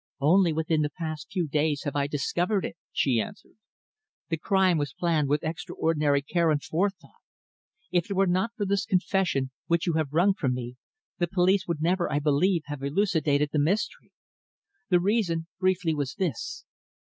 "Only within the past few days have I discovered it," she answered. "The crime was planned with extraordinary care and forethought. If it were not for this confession which you have wrung from me, the police would never, I believe, have elucidated the mystery. The reason briefly was this.